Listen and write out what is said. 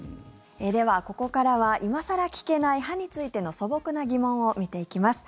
では、ここからは今更聞けない歯についての素朴な疑問を見ていきます。